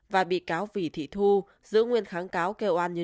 và bị cáo vị thị thu giữ nguyên kháng cáo kêu an nhân